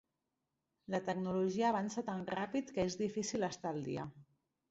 La tecnologia avança tan ràpid que és difícil estar al dia.